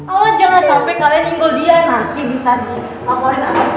awas jangan sampai kalian ninggal dia nanti bisa dikawalin apa apa keban bulian